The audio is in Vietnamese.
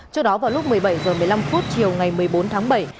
trước đó vào lúc một mươi bảy h một mươi năm chiều ngày một mươi bốn tháng bảy